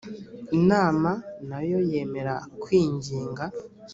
imana na yo yemera kwinginga